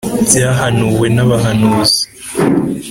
Byahanuwe n`abahanuzi